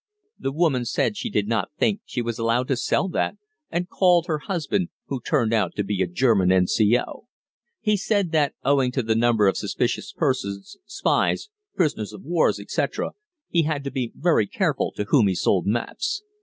The woman said she did not think she was allowed to sell that, and called her husband, who turned out to be a German N.C.O. He said that, owing to the number of suspicious persons, spies, prisoners of war, etc., he had to be very careful to whom he sold maps.